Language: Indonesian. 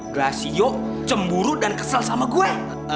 gelasio cemburu dan kesel sama gue